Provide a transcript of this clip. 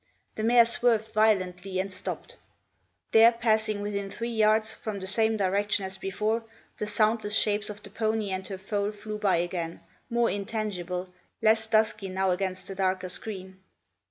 The mare swerved violently and stopped. There, passing within three yards, from the same direction as before, the soundless shapes of the pony and her foal flew by again, more intangible, less dusky now against the darker screen.